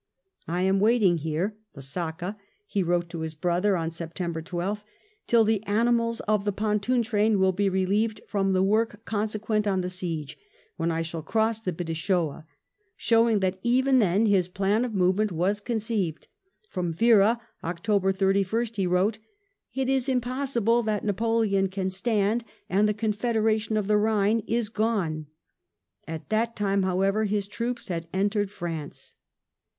" I am waiting here [Lesaca]/' he wrote to his brother on September 12th, "till the animals of the pontoon train will be relieved from the work consequent on the siege, when I shall cross the Bidassoa^" showing that even then his plan of movement was conceived. From Vera, October 31st, he wrote, " It is impossible that Napoleon can stand, and the Confederation of the Ehine is gone." At that time, however, his troops had entered France.